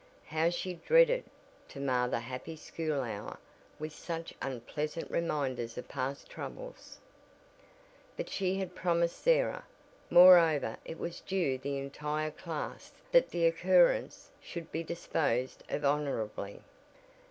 How she dreaded to mar that happy school hour with such unpleasant reminders of past troubles! But she had promised Sarah; moreover it was due the entire class that the occurrence should be disposed of honorably.